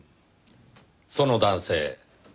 その男性